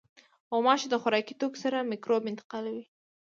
غوماشې د خوراکي توکو سره مکروب انتقالوي.